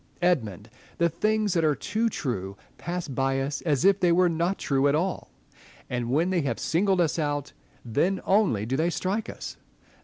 Edmund ! the things that are too true pass by us as if they were not true at all ; and when they have singled us ESSEX AND SPENSER. 105 out, then only do they strike us.